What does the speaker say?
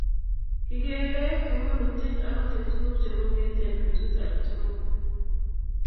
Kikeere komonutiet agot eng tuguuk che mengeech eng betut age tugul